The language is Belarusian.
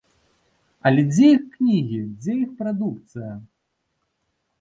Але дзе іх кнігі, дзе іх прадукцыя?!